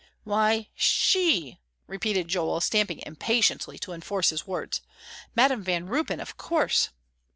"Why, she," repeated Joel, stamping impatiently to enforce his words, "Madam Van Ruypen, of course."